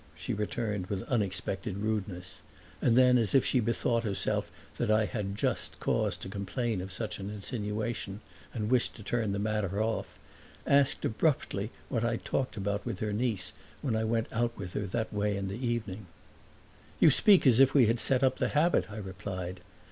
she returned with unexpected rudeness; and then, as if she bethought herself that I had just cause to complain of such an insinuation and wished to turn the matter off, asked abruptly what I talked about with her niece when I went out with her that way in the evening. "You speak as if we had set up the habit," I replied.